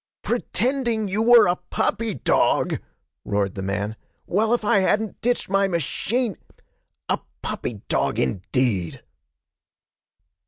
'Pretending you were a puppy dog!' roared the man. 'Well, if I hadn't ditched my machine ! A puppy dog, indeed!'